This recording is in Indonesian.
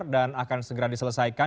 dan akan segera diselesaikan